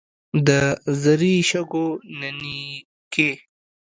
د زري شګو نینکې.